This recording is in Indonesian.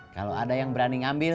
kalau ada yang berani ngambil